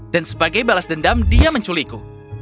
dan sebagai balas dendam dia menculikku